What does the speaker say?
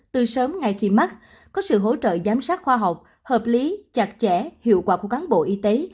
từ sớm ngay khi mắc có sự hỗ trợ giám sát khoa học hợp lý chặt chẽ hiệu quả của cán bộ y tế